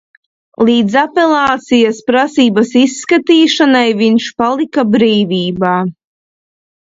Līdz apelācijas prasības izskatīšanai viņš palika brīvībā.